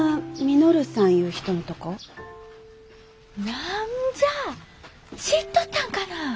何じゃ知っとったんかな。